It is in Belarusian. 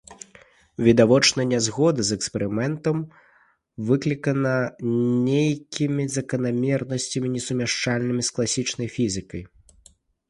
Відавочна нязгода з эксперыментам выклікана нейкімі заканамернасцямі, несумяшчальнымі з класічнай фізікай.